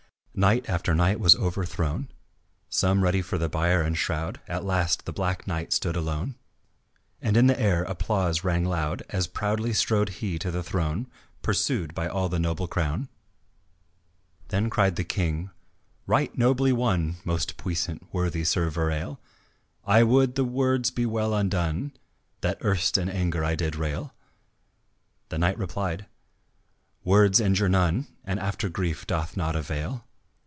Knight after knight was overthrown, Some ready for the bier and shroud, At last the black knight stood alone And in the air applause rang loud As proudly strode he to the throne Pursued by all the noble crowd. Then cried the King: "Right nobly won, Most puissant, worthy Sir Verale, I would the words were well undone That erst in anger I did rail." The knight replied, "Words injure none, And after grief doth not avail.